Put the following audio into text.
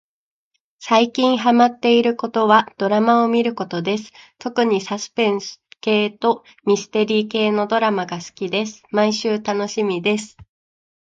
さいきんはまってることはどらまをみることですとくにさすぺんすけいとみすてりーけいのどらまがすきですまいしゅうたのしみです